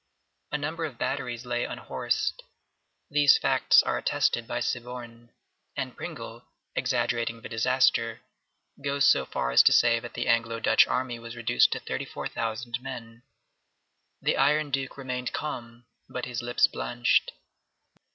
A number of batteries lay unhorsed. These facts are attested by Siborne; and Pringle, exaggerating the disaster, goes so far as to say that the Anglo Dutch army was reduced to thirty four thousand men. The Iron Duke remained calm, but his lips blanched.